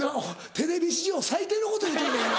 テレビ史上最低なこと言うてるで今。